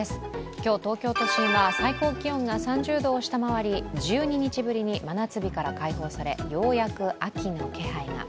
今日、東京都心は最高気温が３０度を下回り、１２日ぶりに真夏日から解放されようやく、秋の気配が。